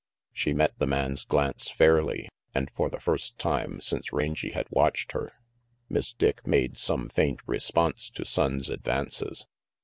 She met the man's glance fairly, and for the first time since Rangy had watched them, Miss Dick made some faint response to Sonnes' advances.